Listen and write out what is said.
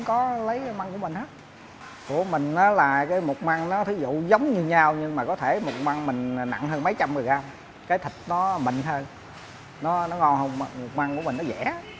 cái thịt nó mịn hơn nó ngon hơn mục măng của mình nó dẻ